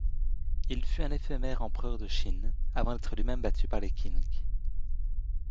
Il fut un éphémère Empereur de Chine, avant d'être lui-même battu par les Qing.